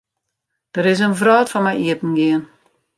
Der is in wrâld foar my iepengien.